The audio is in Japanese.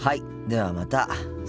ではまた。